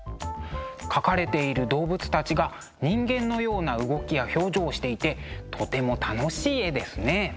描かれている動物たちが人間のような動きや表情をしていてとても楽しい絵ですね。